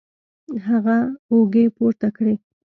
هغه اوږې پورته کړې